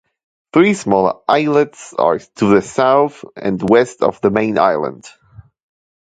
Three smaller islets are to the south and west of the main island.